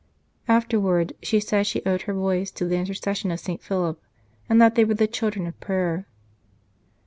Afterwards she said that she owed her boys to the intercession of St. Philip, and that they were the children of prayer.